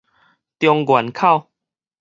中原口